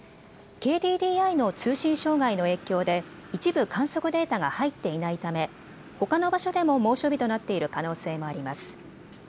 ＫＤＤＩの通信障害の影響で一部、観測データが入っていないためほかの場所でも猛暑日となっている可能性もあります。